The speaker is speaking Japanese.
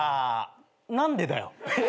何でだよ。